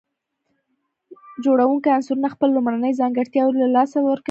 جوړونکي عنصرونه خپل لومړني ځانګړتياوي له لاسه ورکوي.